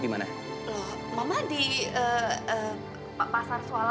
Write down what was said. sebentar lagi kita akan selalu bersama